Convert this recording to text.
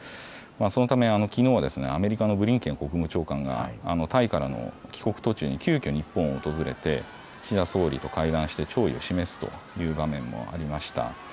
そのため、きのうはアメリカのブリンケン国務長官がタイからの帰国途中に急きょ日本を訪れて岸田総理と会談して弔意を示すという場面もありました。